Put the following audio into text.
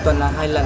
một tuần là hai lần